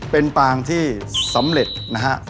เป็นปางที่สำเร็จนะฮะ